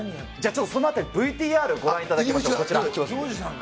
ちょっとそのあたり、ＶＴＲご覧いただきましょう。